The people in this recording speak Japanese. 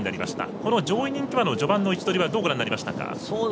この上位人気馬の序盤の位置取りはどうご覧になりました？